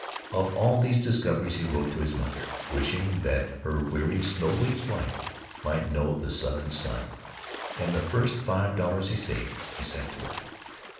Of all these discoveries he wrote to his mother, wishing that her weary snow bleached life might know the Southern sun. And the first five dollars he saved he sent to her.